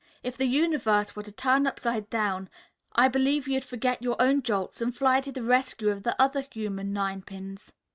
If the universe were to turn upside down I believe you'd forget your own jolts and fly to the rescue of the other human nine pins."